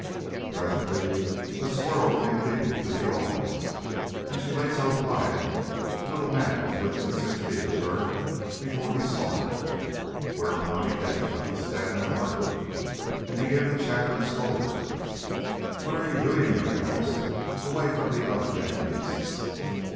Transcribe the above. Presently a squirrel came leaping through the alders, and she lay so quiet the little man was within six feet of her before he saw her. Whereupon he dashed up a stem in a hurry and began to chatter and scold her. "What are you doing here," he asked, "away from the other men beasts?"